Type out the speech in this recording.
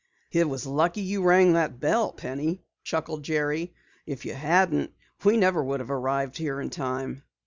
"It was lucky you rang that bell, Penny," chuckled Jerry. "If you hadn't, we never would have arrived here in time."